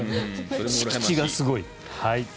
敷地がすごい。